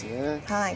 はい。